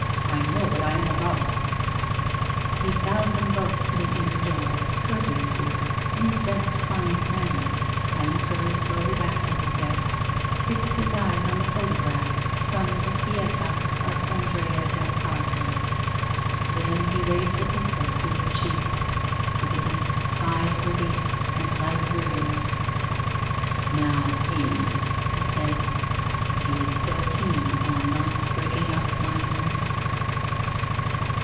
I know what I am about' He bowed them both to the inner door, courteously, in his best client manner, and going slowly back to his desk, fixed his eyes on the photograph from ' the Pieta. of Andrea del Sarto. Then he raised the pistol to his cheek, with a deep sigh of relief and life weariness, ' Xow, Amy,' he said, ' you were so keen on not break ing up my home